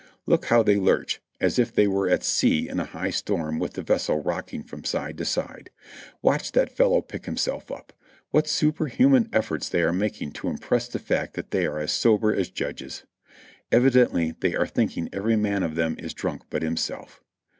Look how they lurch, as if they were at sea in a high storm with the vessel rocking from side to side. Watch that fellow pick himself up! What superhuman efforts they are making to impress the fact that they are as sober as judges. Evidently they are think ing every man of them is drunk but himself.